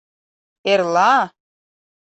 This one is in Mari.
— Эрла?